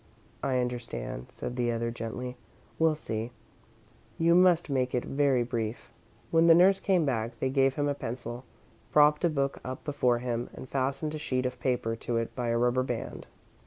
"I understand," said the other, gently. "We'll see. You must make it very brief." When the nurse came back, they gave him a pencil, propped a book up before him, and fastened a sheet of paper to it by a rubber band.